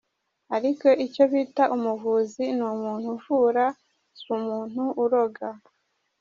Ariko icyo bita umuvuzi ni umuntu uvura si umuntu uroga.